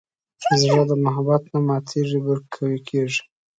زړه د محبت نه ماتیږي، بلکې قوي کېږي.